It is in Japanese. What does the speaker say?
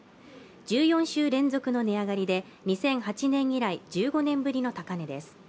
１４週連続の値上がりで２００８年以来１５年ぶりの高値です。